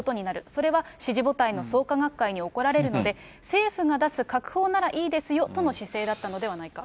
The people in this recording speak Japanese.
それは支持母体の創価学会に怒られるので、政府が出す閣法ならいいですよとの姿勢だったのではないか。